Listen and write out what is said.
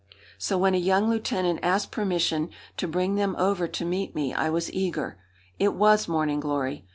So when a young lieutenant asked permission to bring them over to meet me, I was eager. It was Morning Glory!